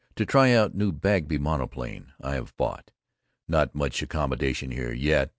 to try out new Bagby monoplane I have bought. Not much accomodation here yet.